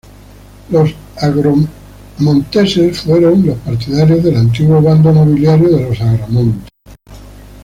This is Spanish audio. Los agramonteses fueron los partidarios del antiguo bando nobiliario de los Agramont.